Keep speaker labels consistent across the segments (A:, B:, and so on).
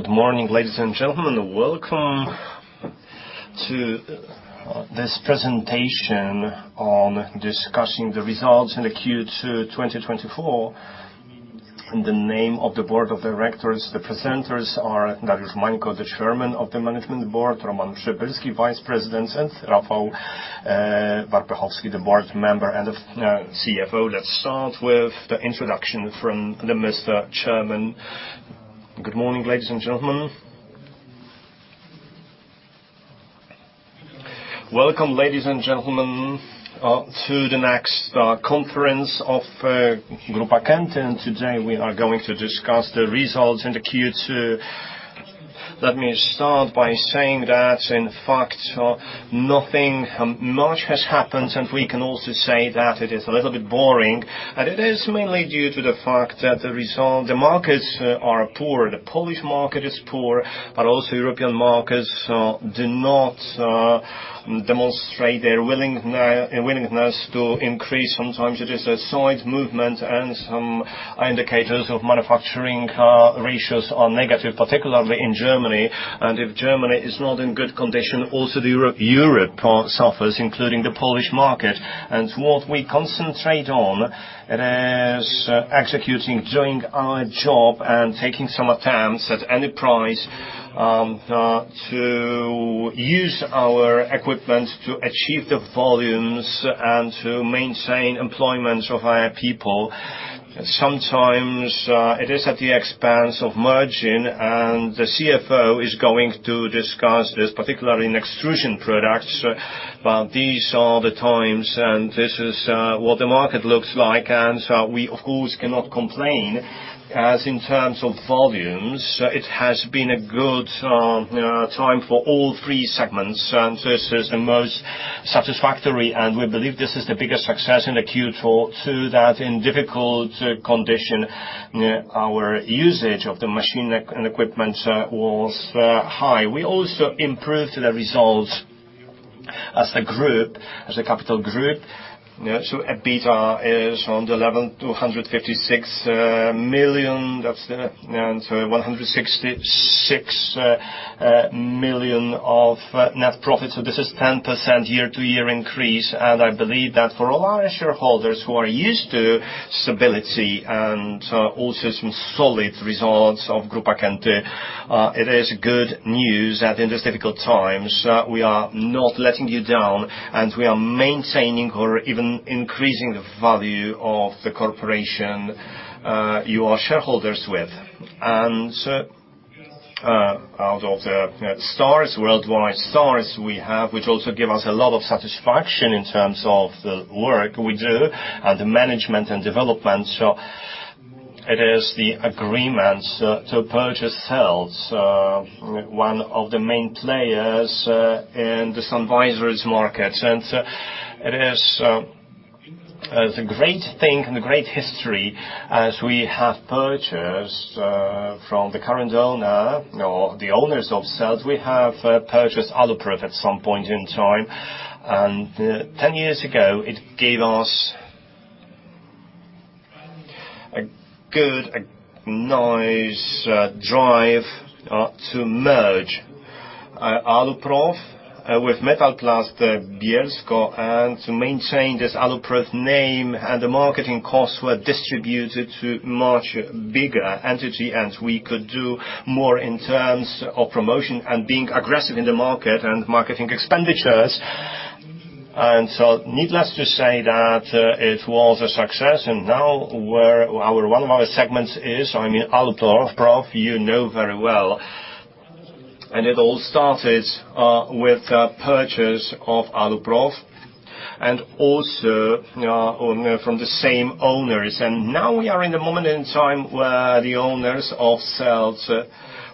A: Good morning, ladies and gentlemen. Welcome to this presentation on discussing the results in the Q2 2024. In the name of the Board of Directors, the presenters are Dariusz Mańko, the Chairman of the Management Board, Roman Przybylski, Vice President, and Rafał Warpechowski, the Board Member and the CFO. Let's start with the introduction from the Chairman. Good morning, ladies and gentlemen.
B: Welcome, ladies and gentlemen, to the next conference of Grupa Kęty. Today, we are going to discuss the results in the Q2. Let me start by saying that, in fact, nothing much has happened, and we can also say that it is a little bit boring. It is mainly due to the fact that the markets are poor. The Polish market is poor, but also European markets do not demonstrate their willingness to increase. Sometimes it is a side movement, and some indicators of manufacturing ratios are negative, particularly in Germany. If Germany is not in good condition, also the Europe, Europe part suffers, including the Polish market. What we concentrate on is executing, doing our job, and taking some attempts at any price to use our equipment to achieve the volumes and to maintain employment of our people. Sometimes it is at the expense of margin, and the CFO is going to discuss this, particularly in extrusion products. These are the times, and this is what the market looks like, and we of course cannot complain, as in terms of volumes, it has been a good time for all three segments. This is the most satisfactory, and we believe this is the biggest success in the Q4, too, that in difficult condition, our usage of the machines and equipment was high. We also improved the results as a group, as a capital group. So EBITDA is on the level of 256 million. That's the, and so 166 million of net profit. So this is 10% year-to-year increase, and I believe that for a lot of shareholders who are used to stability and also some solid results of Grupa Kęty, it is good news that in these difficult times, we are not letting you down, and we are maintaining or even increasing the value of the corporation you are shareholders with. Out of the stars, worldwide stars we have, which also give us a lot of satisfaction in terms of the work we do and the management and development. So it is the agreements to purchase Selt, one of the main players in the sun visors market. And, it is a great thing and a great history as we have purchased from the current owner or the owners of Selt, we have purchased Aluprof at some point in time. And, 10 years ago, it gave us a good, a nice drive to merge Aluprof with Metalplast Bielsko and to maintain this Aluprof name, and the marketing costs were distributed to much bigger entity, and we could do more in terms of promotion and being aggressive in the market and marketing expenditures. Needless to say that it was a success, and now we're our one of our segments is, I mean, Aluprof, you know very well. It all started with a purchase of Aluprof and also from the same owners. Now we are in a moment in time where the owners of Selt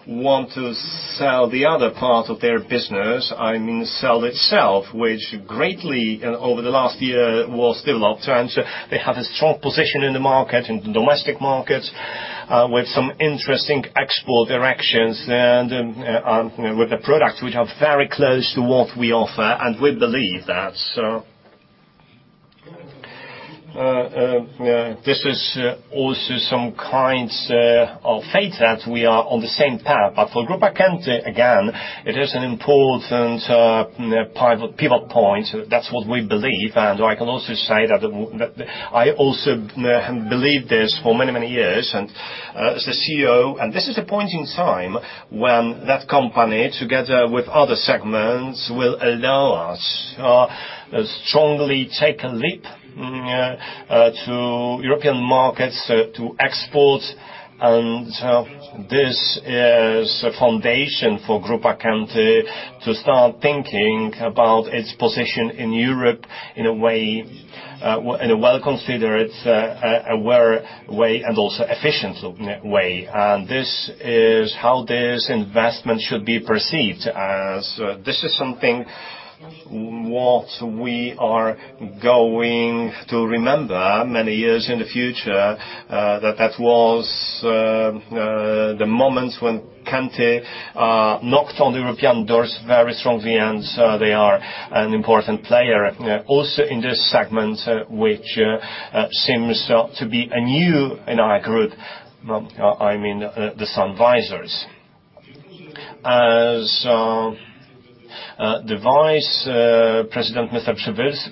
B: want to sell the other part of their business, I mean, Selt itself, which greatly over the last year was developed, and they have a strong position in the market, in the domestic markets with some interesting export directions and with the products which are very close to what we offer. We believe that this is also some kinds of fate that we are on the same path. But for Grupa Kęty, again, it is an important pivot point. That's what we believe, and I can also say that that I also have believed this for many, many years. And as the CEO, and this is a point in time when that company, together with other segments, will allow us strongly take a leap to European markets to export. And this is a foundation for Grupa Kęty to start thinking about its position in Europe in a way, in a well-considered, a well way, and also efficient way. This is how this investment should be perceived, as this is something what we are going to remember many years in the future, that that was the moment when Kęty knocked on the European doors very strongly, and they are an important player also in this segment, which seems to be new in our group. I mean the sun visors... as the Vice President, Mr.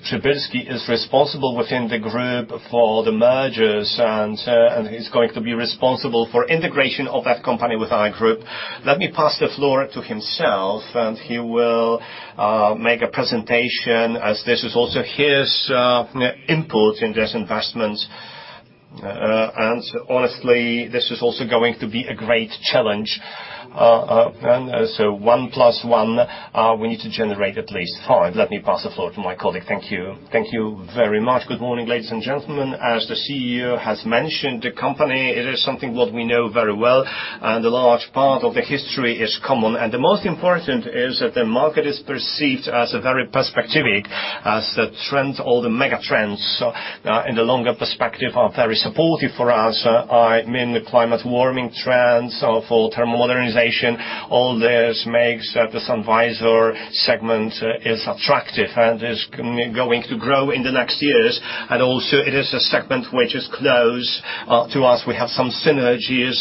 B: Przybylski is responsible within the group for the mergers, and he's going to be responsible for integration of that company with our group. Let me pass the floor to himself, and he will make a presentation as this is also his input in this investment. And honestly, this is also going to be a great challenge. And so one plus one, we need to generate at least five. Let me pass the floor to my colleague. Thank you.
C: Thank you very much. Good morning, ladies and gentlemen. As the CEO has mentioned, the company, it is something what we know very well, and a large part of the history is common. The most important is that the market is perceived as a very perspectivic, as the trends or the mega trends, in the longer perspective are very supportive for us. I mean, the climate warming trends for thermal modernization, all this makes the sun visor segment is attractive and is going to grow in the next years. Also it is a segment which is close to us. We have some synergies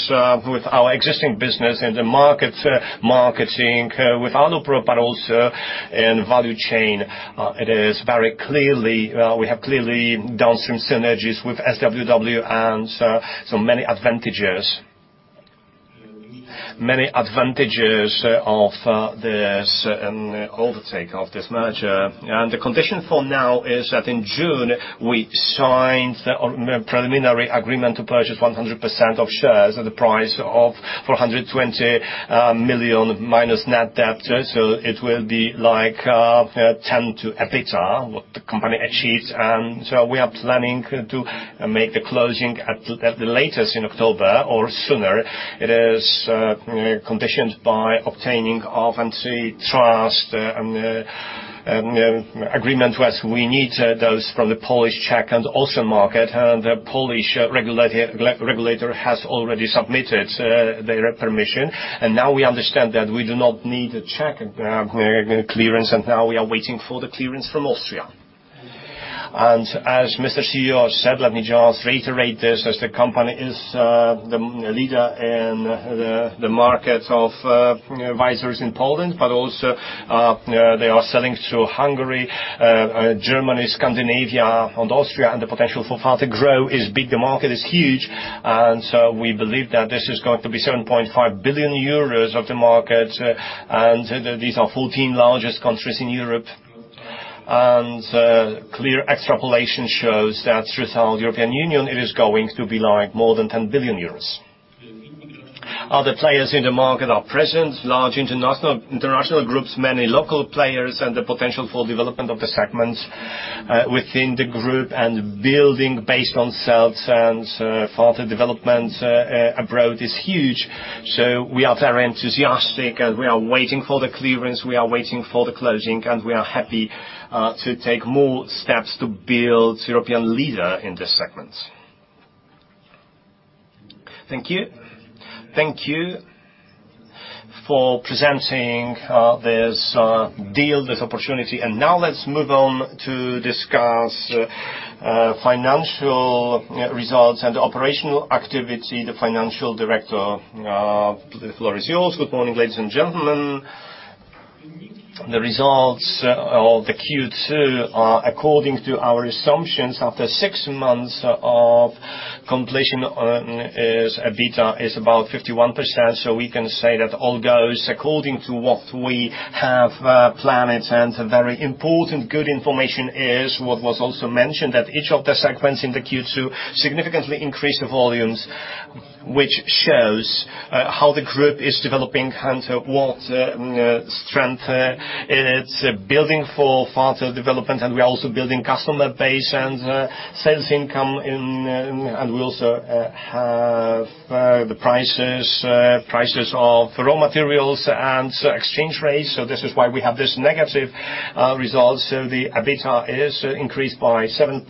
C: with our existing business in the market, marketing with Aluprof, but also in value chain. It is very clearly, we have clearly done some synergies with SWW and so, so many advantages. Many advantages of this takeover of this merger. And the condition for now is that in June, we signed a preliminary agreement to purchase 100% of shares at the price of 420 million minus net debt. So it will be like 10 to EBITDA, what the company achieves. And so we are planning to make the closing at the latest in October or sooner. It is conditioned by obtaining of antitrust and agreement. Well, we need those from the Polish, Czech, and Austrian market, and the Polish regulator has already submitted their permission. And now we understand that we do not need a Czech clearance, and now we are waiting for the clearance from Austria. And as Mr. CEO said, let me just reiterate this, as the company is the leader in the market of visors in Poland, but also they are selling to Hungary, Germany, Scandinavia, and Austria, and the potential for further growth is big. The market is huge, and so we believe that this is going to be 7.5 billion euros of the market, and these are 14 largest countries in Europe. And clear extrapolation shows that throughout the European Union, it is going to be like more than 10 billion euros. Other players in the market are present, large international, international groups, many local players, and the potential for development of the segment within the group and building based on sales and further development abroad is huge. So we are very enthusiastic, and we are waiting for the clearance, we are waiting for the closing, and we are happy to take more steps to build European leader in this segment.
A: Thank you. Thank you for presenting this deal, this opportunity. Now let's move on to discuss financial results and operational activity. The Financial Director, the floor is yours. Good morning, ladies and gentlemen. The results of the Q2 are according to our assumptions, after six months of completion is EBITDA is about 51%. So we can say that all goes according to what we have planned.
D: Very important good information is what was also mentioned, that each of the segments in the Q2 significantly increased the volumes, which shows how the group is developing and what strength it's building for further development, and we are also building customer base and sales income in. And we also have the prices, prices of raw materials and exchange rates, so this is why we have this negative results. So the EBITDA is increased by 7%,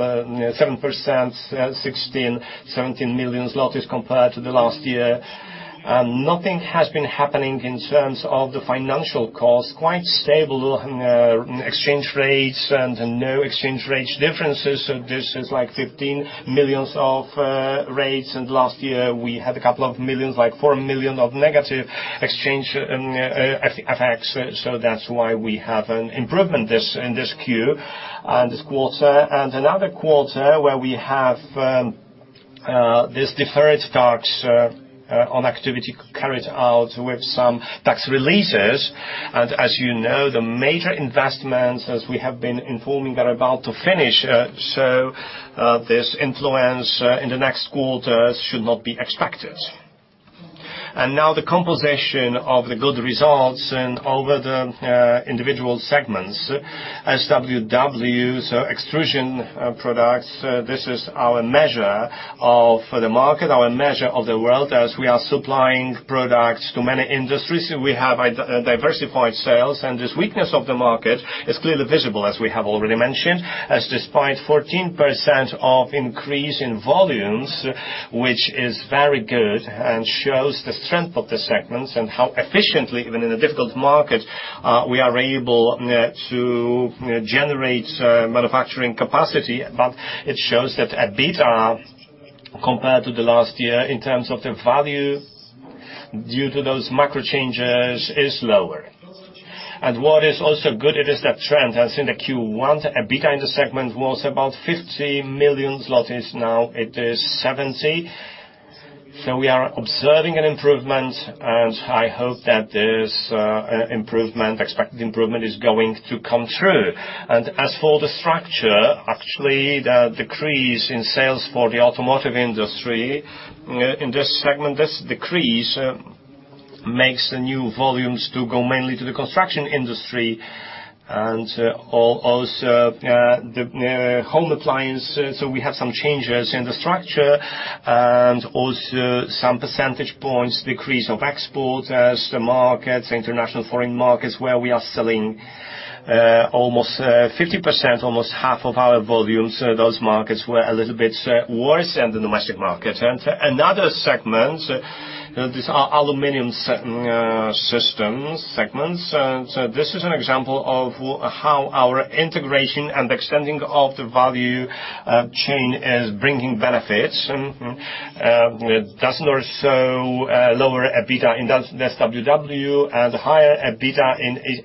D: 16-17 million zlotys compared to the last year. And nothing has been happening in terms of the financial cost, quite stable, exchange rates and no exchange rates differences. So this is like 15 million of rates, and last year we had a couple of millions, like 4 million of negative exchange effect. So that's why we have an improvement in this Q, this quarter. And another quarter where we have this deferred tax on activity carried out with some tax releases. And as you know, the major investments, as we have been informing, are about to finish, so this influence in the next quarters should not be expected. And now the composition of the good results over the individual segments, SWW, so extrusion products, this is our measure of the market, our measure of the world as we are supplying products to many industries. We have a diversified sales, and this weakness of the market is clearly visible, as we have already mentioned, as despite 14% increase in volumes, which is very good and shows the strength of the segments and how efficiently, even in a difficult market, we are able to generate manufacturing capacity, but it shows that EBITDA compared to the last year in terms of the value, due to those macro changes, is lower. And what is also good, it is that trend as in the Q1, EBITDA in the segment was about 50 million, now it is 70 million. So we are observing an improvement, and I hope that this improvement, expected improvement is going to come true. As for the structure, actually, the decrease in sales for the automotive industry in this segment, this decrease makes the new volumes to go mainly to the construction industry and also the home appliance. So we have some changes in the structure and also some percentage points decrease of export as the markets, international foreign markets, where we are selling almost 50%, almost half of our volumes. Those markets were a little bit worse than the domestic market. And another segment, these are aluminum systems segments. So this is an example of how our integration and extending of the value chain is bringing benefits. With 1,000 or so lower EBITDA in that SWW and higher EBITDA in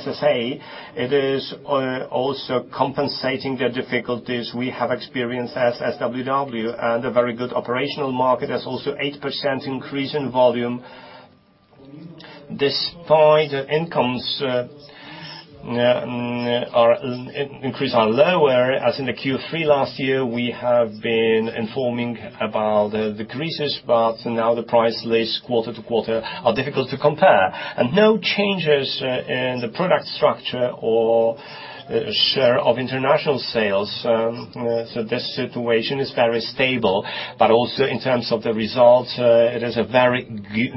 D: SSA, it is also compensating the difficulties we have experienced in SWW and a very good operational market. There's also 8% increase in volume. Despite incomes increase is lower, as in the Q3 last year, we have been informing about the decreases, but now the price lists quarter to quarter are difficult to compare. No changes in the product structure or share of international sales. So this situation is very stable, but also in terms of the results, it is a very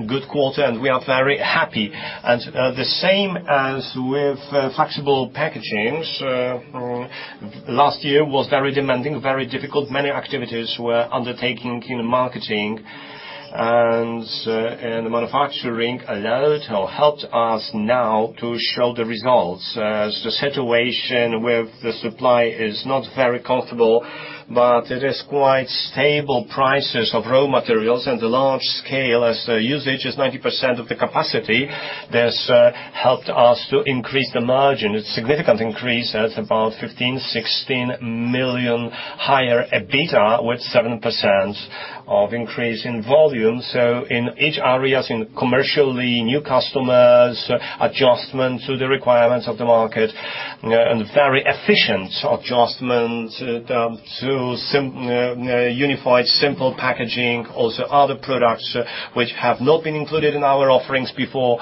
D: good quarter, and we are very happy. The same as with flexible packaging, last year was very demanding, very difficult. Many activities were undertaking in marketing and in the manufacturing allowed or helped us now to show the results. As the situation with the supply is not very comfortable, but it is quite stable prices of raw materials and the large scale as the usage is 90% of the capacity. This helped us to increase the margin. It's significant increase at about 15-16 million higher EBITDA, with 7% of increase in volume. So in each areas, in commercially, new customers, adjustment to the requirements of the market, and very efficient adjustment to unified, simple packaging, also other products which have not been included in our offerings before.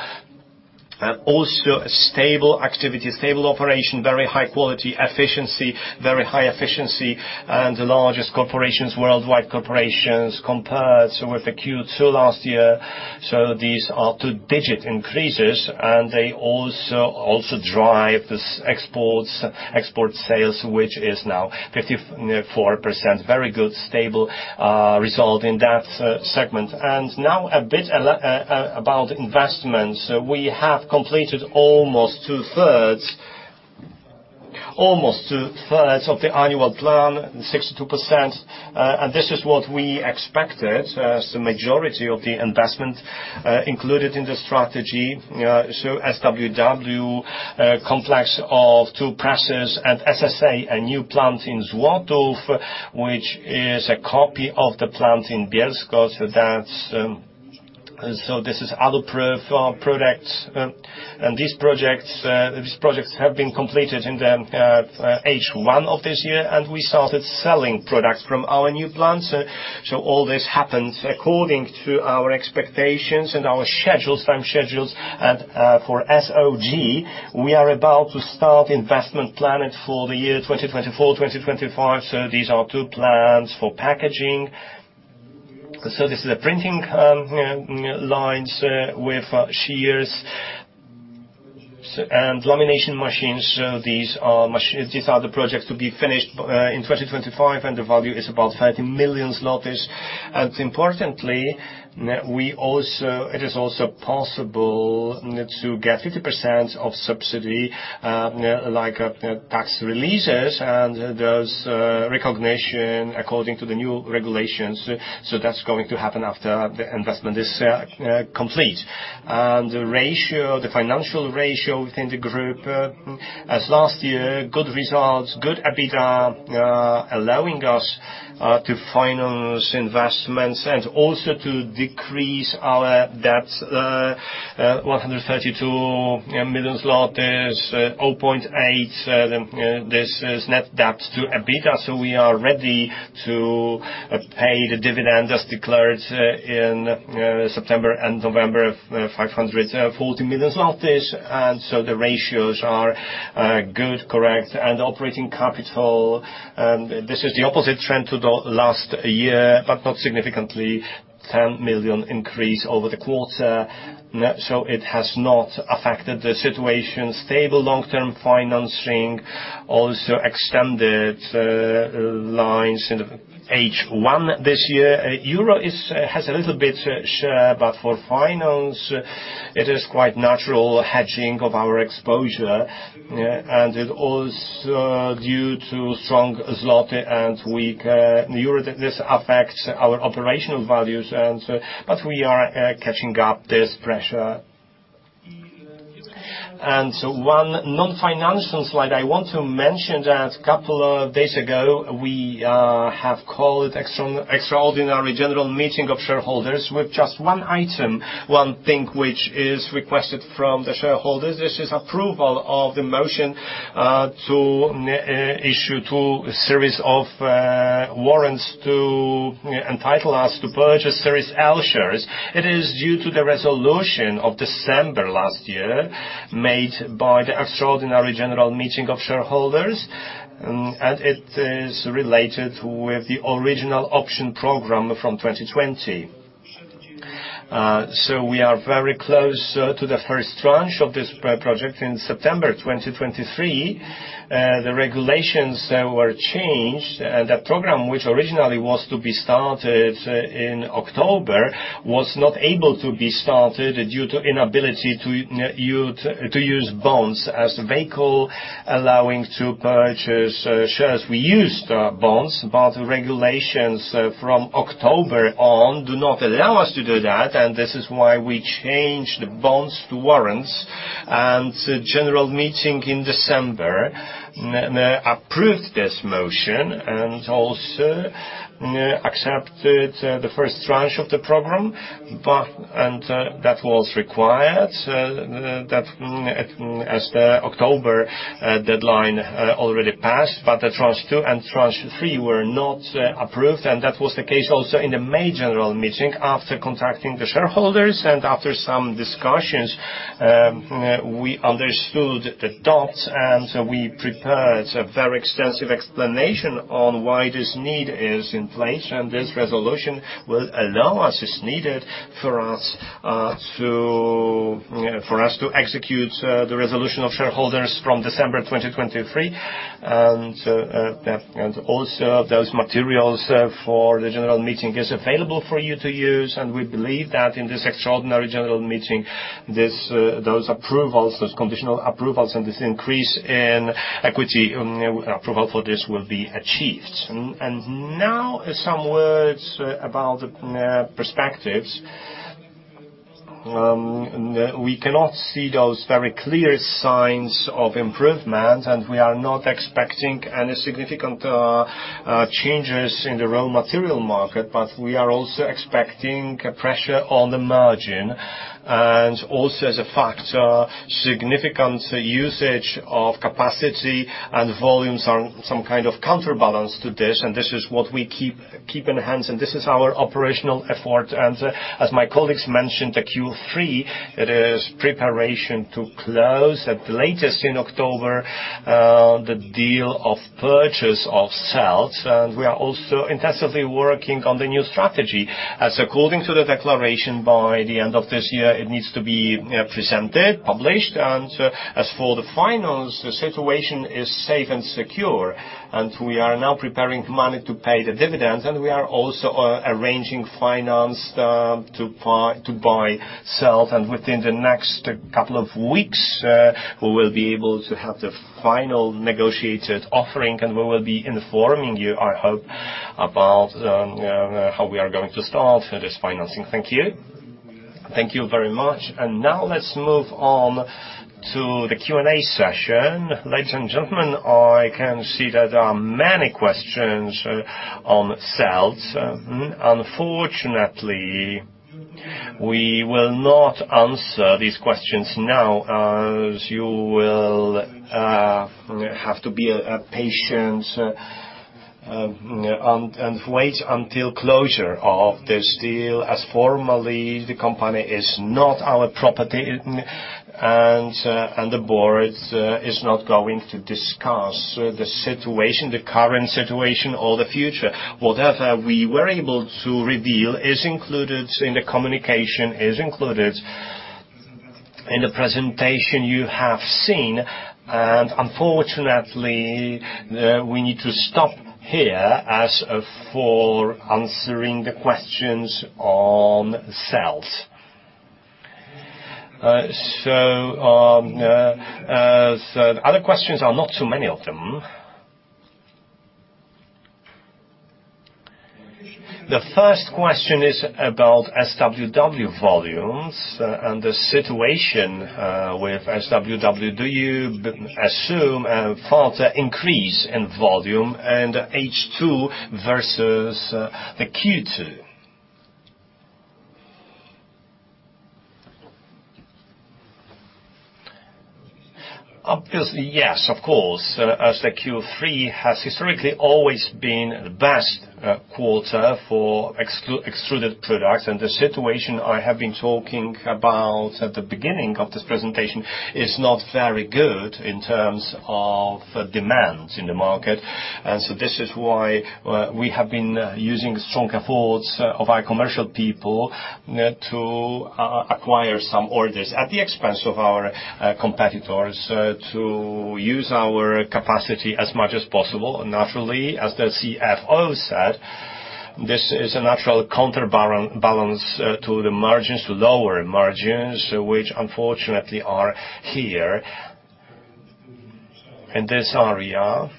D: Also a stable activity, stable operation, very high quality, efficiency, very high efficiency, and the largest corporations, worldwide corporations, compared with the Q2 last year. So these are two-digit increases, and they also drive this exports, export sales, which is now 54%. Very good, stable result in that segment. And now a bit about investments. We have completed almost two-thirds of the annual plan, 62%, and this is what we expected as the majority of the investment included in the strategy. So SWW complex of two presses and SSA, a new plant in Złotkowo, which is a copy of the plant in Bielsko. So that's this is Aluprof products. And these projects have been completed in the H1 of this year, and we started selling products from our new plants. So all this happened according to our expectations and our schedules, time schedules. For SOG, we are about to start investment planning for the year 2024, 2025. These are 2 plans for packaging. This is the printing lines with shears and lamination machines. These are the projects to be finished in 2025, and the value is about 30 million zlotys. Importantly, it is also possible to get 50% of subsidy, like tax reliefs and those recognitions according to the new regulations. That's going to happen after the investment is complete. The ratio, the financial ratio within the group, as last year, good results, good EBITDA, allowing us to finance investments and also to decrease our debt 132 million zloty, 0.8. Then this is net debt to EBITDA, so we are ready to pay the dividend as declared in September and November, 540 million zlotys. And so the ratios are good, correct? And operating capital, this is the opposite trend to the last year, but not significantly, 10 million increase over the quarter. So it has not affected the situation. Stable long-term financing, also extended lines in H1 this year. Euro is has a little bit share, but for finance, it is quite natural hedging of our exposure, and it also due to strong zloty and weak euro. This affects our operational values and. But we are catching up this pressure. One non-financial slide, I want to mention that a couple of days ago, we have called an Extraordinary General Meeting of shareholders with just one item, one thing which is requested from the shareholders. This is approval of the motion to issue a series of warrants to entitle us to purchase Series L shares. It is due to the resolution of December last year, made by the Extraordinary General Meeting of shareholders, and it is related with the original option program from 2020. So we are very close to the first tranche of this project. In September 2023, the regulations were changed, and the program, which originally was to be started in October, was not able to be started due to inability to use bonds as vehicle allowing to purchase shares. We used bonds, but regulations from October on do not allow us to do that, and this is why we changed the bonds to warrants. General meeting in December approved this motion and also accepted the first tranche of the program. But that was required that as the October deadline already passed, but the tranche 2 and tranche 3 were not approved, and that was the case also in the May general meeting. After contacting the shareholders and after some discussions, we understood the thoughts, and we prepared a very extensive explanation on why this need is in place, and this resolution will allow us, is needed for us, to, for us to execute the resolution of shareholders from December 2023. And also those materials for the general meeting is available for you to use, and we believe that in this Extraordinary General Meeting, this, those approvals, those conditional approvals, and this increase in equity, approval for this will be achieved. And now some words about the perspectives. We cannot see those very clear signs of improvement, and we are not expecting any significant changes in the raw material market, but we are also expecting a pressure on the margin. And also, as a factor, significant usage of capacity and volumes are some kind of counterbalance to this, and this is what we keep, keep in hands, and this is our operational effort. And as my colleagues mentioned, the Q3, it is preparation to close, at the latest in October, the deal of purchase of Selt. And we are also intensively working on the new strategy. As according to the declaration, by the end of this year, it needs to be presented, published. And as for the finals, the situation is safe and secure, and we are now preparing money to pay the dividends, and we are also arranging finance to buy, to buy Selt. And within the next couple of weeks, we will be able to have the final negotiated offering, and we will be informing you, I hope, about how we are going to start this financing. Thank you.
A: Thank you very much. And now let's move on to the Q&A session. Ladies and gentlemen, I can see that there are many questions on Selt. Unfortunately, we will not answer these questions now, as you will have to be patient, and wait until closure of this deal, as formally the company is not our property, and the board is not going to discuss the situation, the current situation or the future. Whatever we were able to reveal is included in the communication, is included in the presentation you have seen. Unfortunately, we need to stop here as for answering the questions on Selt. So, other questions are not so many of them. The first question is about SWW volumes and the situation with SWW. Do you assume a further increase in volume and H2 versus the Q2?
B: Obviously, yes, of course, as the Q3 has historically always been the best quarter for extruded products, and the situation I have been talking about at the beginning of this presentation is not very good in terms of demands in the market. So this is why we have been using strong efforts of our commercial people to acquire some orders at the expense of our competitors to use our capacity as much as possible. Naturally, as the CFO also said, this is a natural counterbalance to the margins, to lower margins, which unfortunately are here. In this area,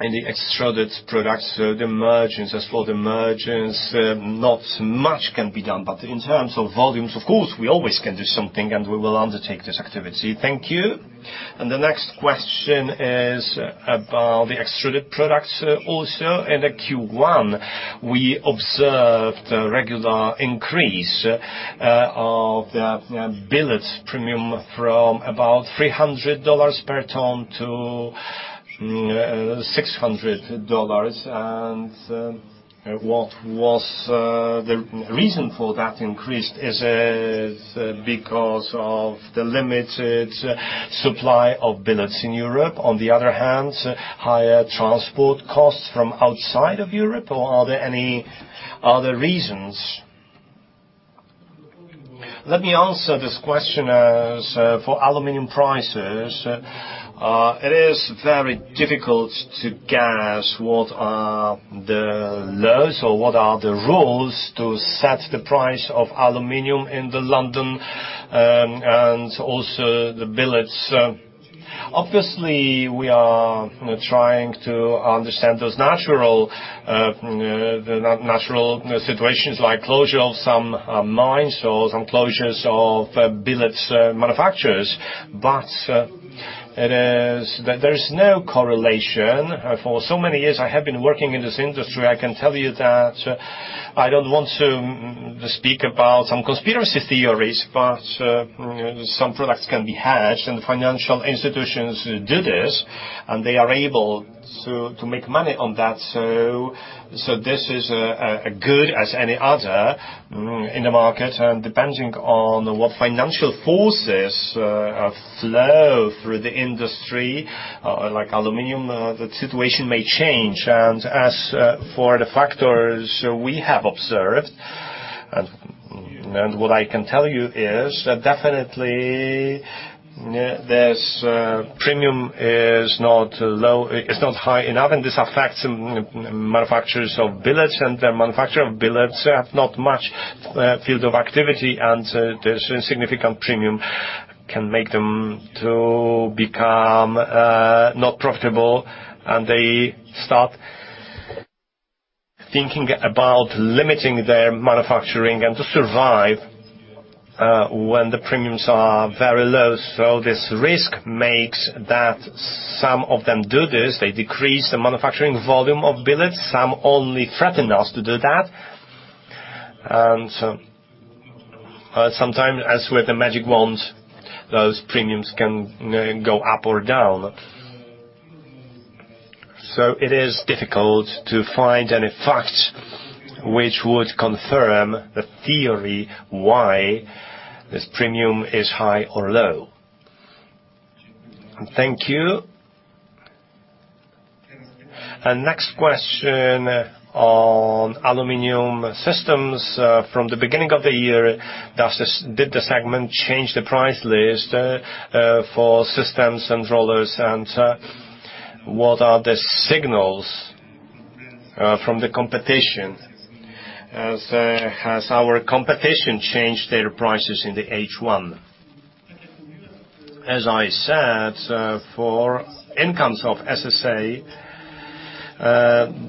B: in the extruded products, the margins, as for the margins, not much can be done, but in terms of volumes, of course, we always can do something, and we will undertake this activity.
A: Thank you. And the next question is about the extruded products also. In the Q1, we observed a regular increase of the billets premium from about $300 per ton to six hundred dollars. And what was the reason for that increase? Is it because of the limited supply of billets in Europe? On the other hand, higher transport costs from outside of Europe, or are there any other reasons?
C: Let me answer this question as for aluminum prices. It is very difficult to guess what are the lows or what are the rules to set the price of aluminum in the London and also the billets. Obviously, we are trying to understand those natural the natural situations like closure of some mines or some closures of billets manufacturers. But it is there is no correlation. For so many years, I have been working in this industry. I can tell you that I don't want to speak about some conspiracy theories, but some products can be hatched, and financial institutions do this, and they are able to make money on that. So this is as good as any other in the market, and depending on what financial forces flow through the industry, like aluminum, the situation may change. And as for the factors we have observed, and what I can tell you is that definitely, yeah, this premium is not low, it's not high enough, and this affects manufacturers of billets. And the manufacturer of billets have not much field of activity, and there's a significant premium can make them to become not profitable, and they start thinking about limiting their manufacturing and to survive when the premiums are very low. So this risk makes that some of them do this. They decrease the manufacturing volume of billets. Some only threaten us to do that. And, sometime, as with the magic wand, those premiums can go up or down. So it is difficult to find any fact which would confirm the theory why this premium is high or low.
A: Thank you. And next question on aluminum systems. From the beginning of the year, did the segment change the price list for systems and rollers, and what are the signals from the competition? Has our competition changed their prices in the H1?
B: As I said, for incomes of SSA,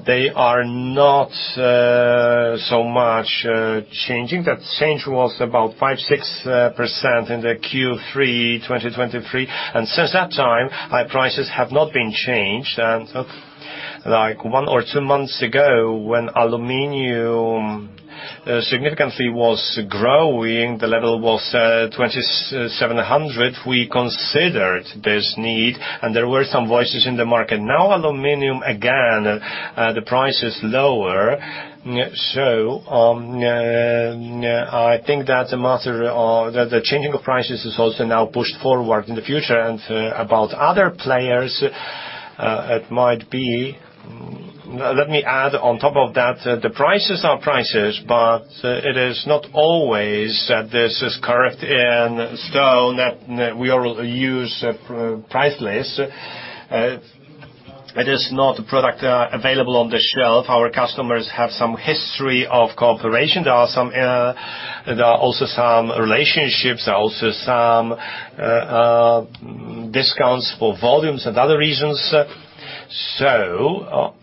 B: they are not so much changing. That change was about 5-6% in the Q3, 2023, and since that time, our prices have not been changed. Like, one or two months ago, when aluminum significantly was growing, the level was $2,700. We considered this need, and there were some voices in the market. Now, aluminum again the price is lower. So, I think that the matter of the changing of prices is also now pushed forward in the future. About other players, it might be...
D: Let me add on top of that, the prices are prices, but it is not always that this is correct in stone, that we all use price list. It is not a product available on the shelf. Our customers have some history of cooperation. There are also some relationships, there are also some discounts for volumes and other reasons. So,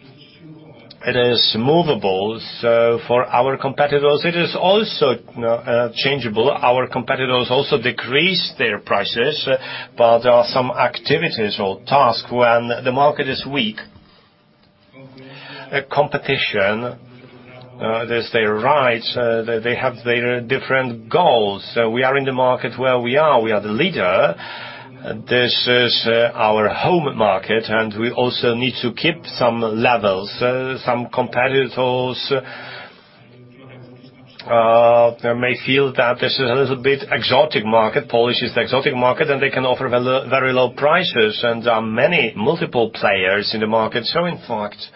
D: it is movable. So for our competitors, it is also changeable. Our competitors also decrease their prices, but there are some activities or tasks when the market is weak. The competition, that's their right, they have their different goals. So we are in the market where we are, we are the leader. This is our home market, and we also need to keep some levels. Some competitors, they may feel that this is a little bit exotic market. Polish is the exotic market, and they can offer very low, very low prices, and there are many multiple players in the market. So in fact,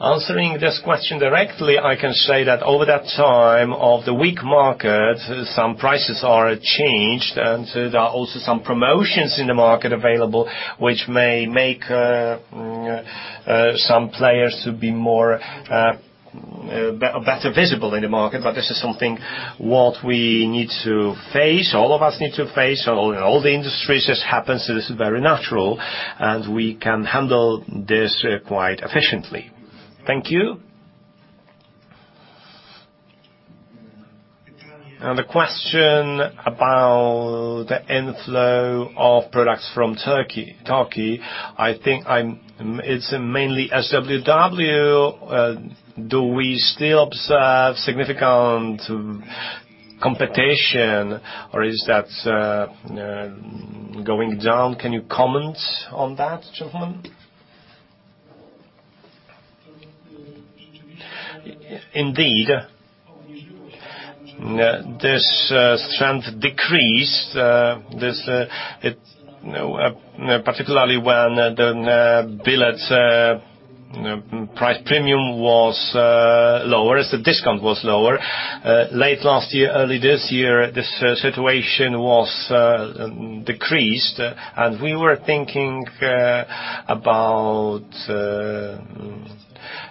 D: answering this question directly, I can say that over that time of the weak market, some prices are changed, and there are also some promotions in the market available, which may make some players to be more better visible in the market. But this is something what we need to face, all of us need to face. So in all the industries, this happens, so this is very natural, and we can handle this quite efficiently.
A: Thank you. The question about the inflow of products from Turkey, Turkey, I think I'm, it's mainly SWW. Do we still observe significant competition, or is that going down? Can you comment on that, gentleman?
B: Indeed, this strength decreased, this it, particularly when the billets price premium was lower as the discount was lower. Late last year, early this year, this situation was decreased, and we were thinking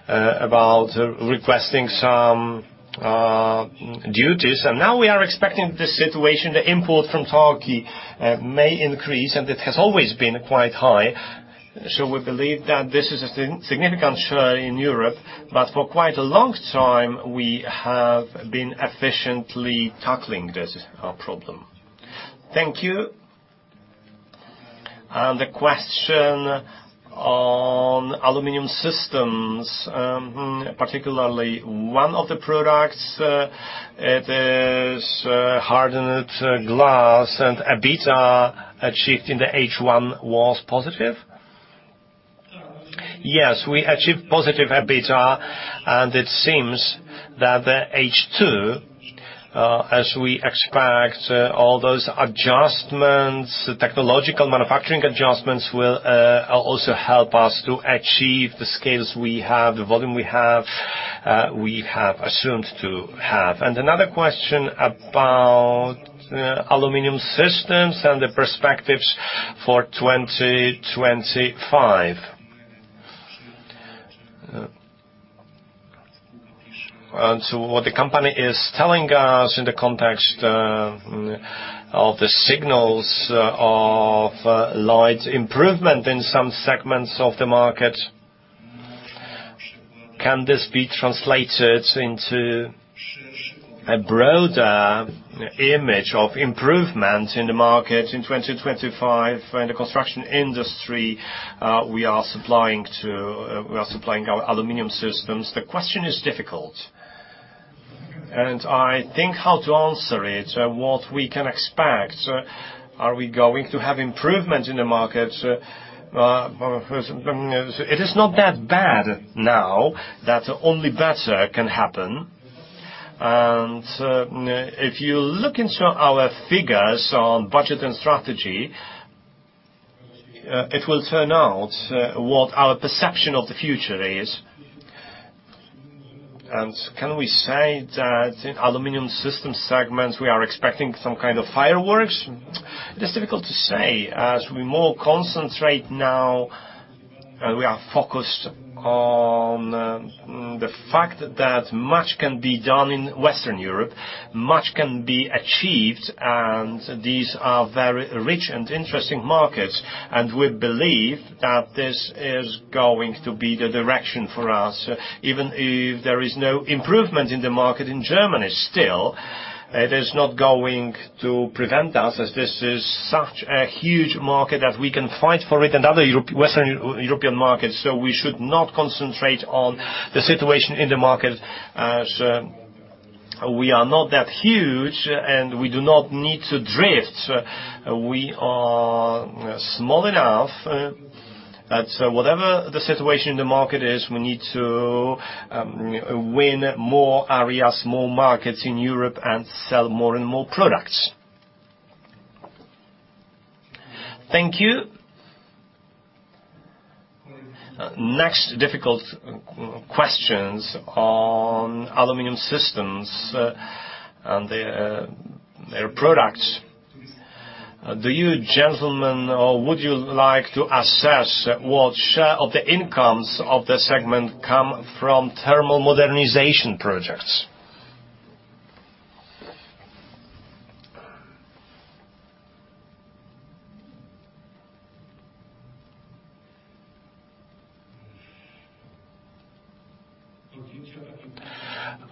B: about requesting some duties. And now we are expecting this situation, the import from Turkey may increase, and it has always been quite high. So we believe that this is a significant share in Europe, but for quite a long time, we have been efficiently tackling this problem.
A: Thank you. And the question on aluminum systems, particularly one of the products, it is hardened glass, and EBITDA achieved in the H1 was positive?
B: Yes, we achieved positive EBITDA, and it seems that the H2, as we expect, all those adjustments, the technological manufacturing adjustments will also help us to achieve the scales we have, the volume we have, we have assumed to have. Another question about aluminum systems and the perspectives for 2025. And so what the company is telling us in the context of the signals of light improvement in some segments of the market, can this be translated into a broader image of improvement in the market in 2025 in the construction industry, we are supplying to we are supplying our aluminum systems? The question is difficult, and I think how to answer it, what we can expect. Are we going to have improvement in the market? It is not that bad now that only better can happen. And, if you look into our figures on budget and strategy, it will turn out what our perception of the future is. And can we say that in aluminum system segments, we are expecting some kind of fireworks? It is difficult to say as we more concentrate now, and we are focused on the fact that much can be done in Western Europe, much can be achieved, and these are very rich and interesting markets. And we believe that this is going to be the direction for us, even if there is no improvement in the market in Germany still, it is not going to prevent us as this is such a huge market that we can fight for it and other Europe, Western European markets. So we should not concentrate on the situation in the market, as we are not that huge, and we do not need to drift. We are small enough that whatever the situation in the market is, we need to win more areas, more markets in Europe, and sell more and more products.
A: Thank you. Next difficult questions on aluminum systems and their products. Do you, gentlemen, or would you like to assess what share of the incomes of the segment come from thermal modernization projects?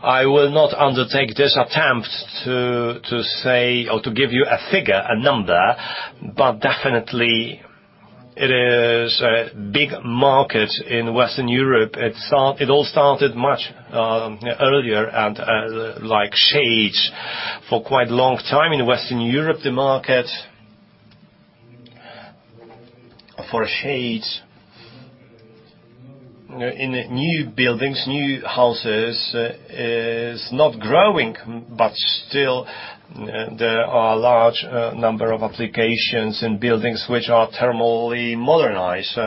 D: I will not undertake this attempt to say or to give you a figure, a number, but definitely it is a big market in Western Europe. It all started much earlier and like shades. For quite a long time in Western Europe, the market for shades in new buildings, new houses, is not growing, but still, there are large number of applications in buildings which are thermally modernized.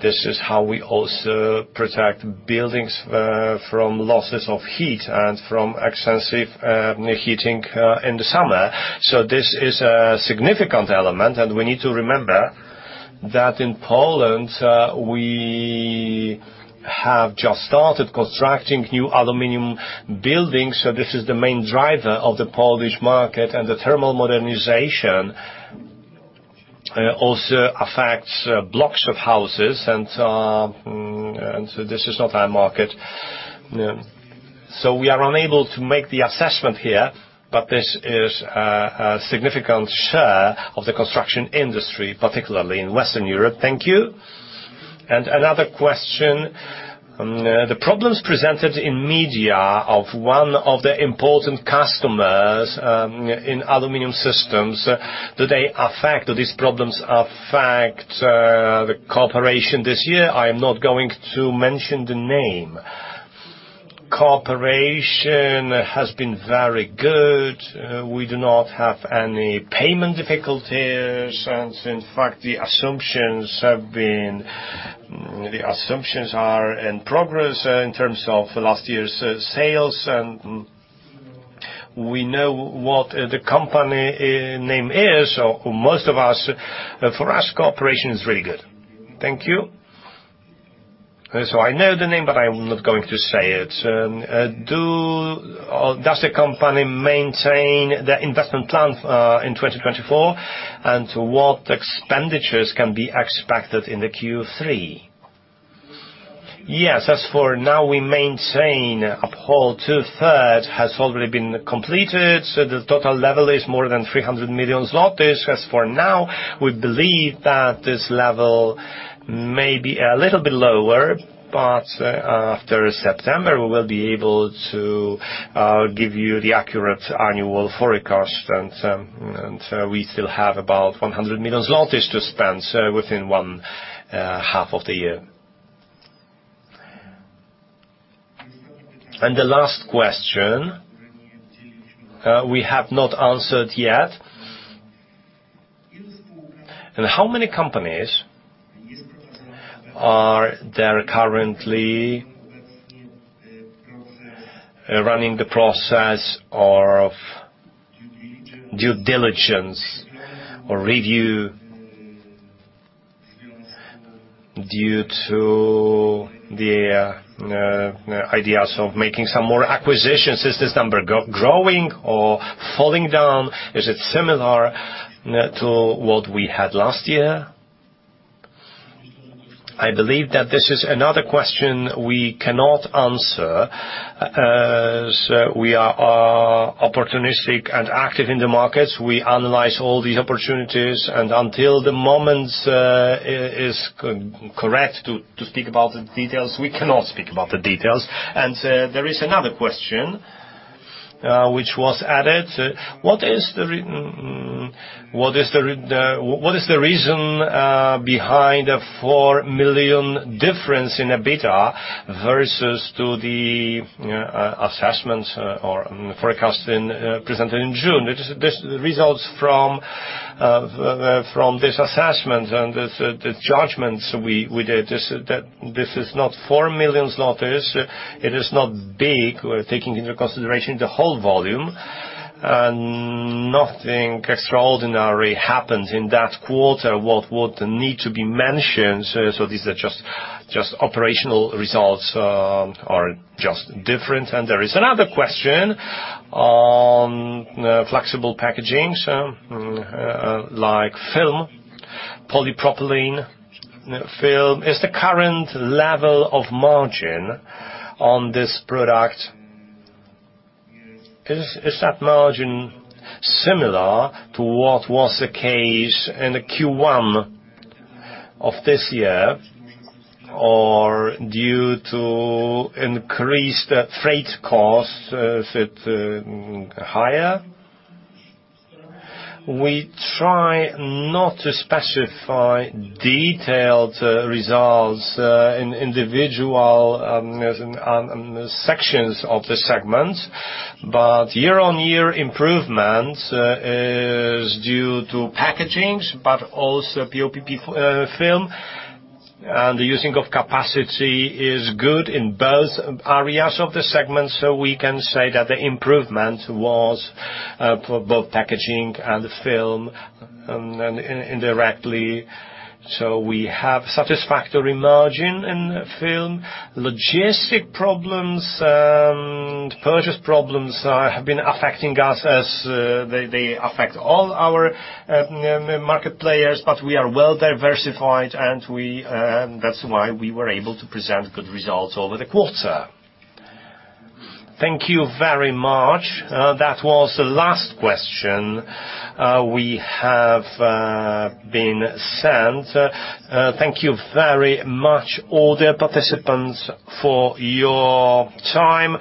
D: This is how we also protect buildings from losses of heat and from excessive heating in the summer. So this is a significant element, and we need to remember that in Poland we have just started constructing new aluminum buildings, so this is the main driver of the Polish market. And the thermal modernization also affects blocks of houses, and so this is not our market. So we are unable to make the assessment here, but this is a significant share of the construction industry, particularly in Western Europe.
E: Thank you. Another question, the problems presented in media of one of the important customers, in aluminum systems, do they affect do these problems affect, the cooperation this year? I am not going to mention the name. Cooperation has been very good. We do not have any payment difficulties, and in fact, the assumptions have been, the assumptions are in progress, in terms of last year's sales. And we know what the company, name is, so most of us, for us, cooperation is very good. Thank you.
B: So I know the name, but I am not going to say it. Do or does the company maintain the investment plan, in 2024? And what expenditures can be expected in the Q3? Yes, as for now, we maintain, uphold, two-thirds has already been completed, so the total level is more than 300 million zlotys. As for now, we believe that this level may be a little bit lower, but after September, we will be able to give you the accurate annual forecast. And we still have about 100 million zlotys to spend within one half of the year.
A: The last question we have not answered yet: How many companies are there currently running the process of due diligence or review due to the ideas of making some more acquisitions? Is this number growing or falling down? Is it similar to what we had last year?
C: I believe that this is another question we cannot answer, as we are opportunistic and active in the markets. We analyze all these opportunities, and until the moment, is correct to speak about the details, we cannot speak about the details. And there is another question, which was added: What is the reason behind the four million difference in EBITDA versus to the assessments or forecast in presented in June? This results from this assessment and the judgments we did, is that this is not 4 million. It is not big, taking into consideration the whole volume. And nothing extraordinary happened in that quarter, what would need to be mentioned. So these are just operational results are just different. And there is another question on flexible packaging, so like film, polypropylene film. Is the current level of margin on this product similar to what was the case in the Q1 of this year, or due to increased freight costs, is it higher? We try not to specify detailed results in individual sections of the segment, but year-on-year improvement is due to packaging, but also BOPP film. And the using of capacity is good in both areas of the segment, so we can say that the improvement was for both packaging and film, and indirectly, so we have satisfactory margin in film. Logistics problems, purchase problems, have been affecting us as they affect all our market players, but we are well diversified, and that's why we were able to present good results over the quarter.
A: Thank you very much. That was the last question we have been sent. Thank you very much, all the participants, for your time.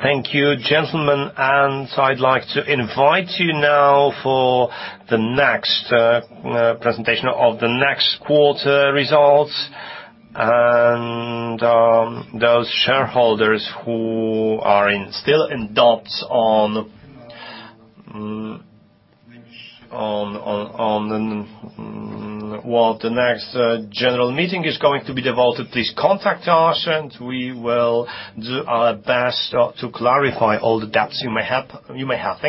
A: Thank you, gentlemen, and I'd like to invite you now for the next presentation of the next quarter results. Those shareholders who are still in doubts on what the next general meeting is going to be devoted, please contact us, and we will do our best to clarify all the doubts you may have. Thank you.